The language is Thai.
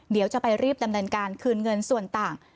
เดี๋ยวจะไปรีบดำเนินการคืนเงินส่วนต่าง